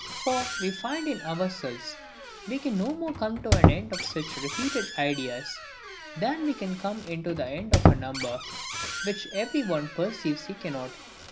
For we find in ourselves, we can no more come to an end of such repeated ideas than we can come to the end of number; which every one perceives he cannot.